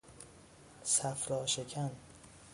صفرا شکن